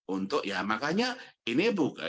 untuk ya makanya ini bukan